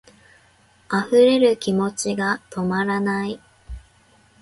溢れる気持ちが止まらない